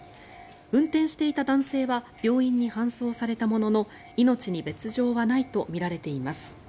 運転していた男性は病院に搬送されたものの命に別条はないとみられています。